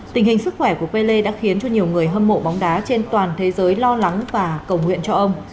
tình hình sức khỏe của pelle đã khiến cho nhiều người hâm mộ bóng đá trên toàn thế giới lo lắng và cầu nguyện cho ông